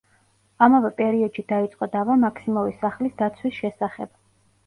ამავე პერიოდში დაიწყო დავა მაქსიმოვის სახლის დაცვის შესახებ.